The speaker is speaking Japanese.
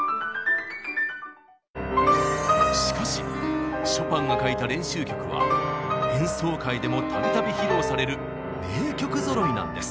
しかしショパンが書いた練習曲は演奏会でもたびたび披露される名曲ぞろいなんです。